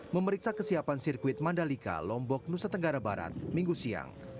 memeriksa kesiapan sirkuit mandalika lombok nusa tenggara barat minggu siang